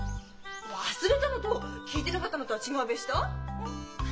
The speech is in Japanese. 忘れたのと聞いてねがったのとは違うべした？